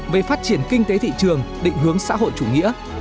về phát triển kinh tế thị trường định hướng xã hội chủ nghĩa